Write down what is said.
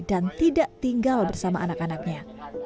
dan tidak tinggal bersama anak anaknya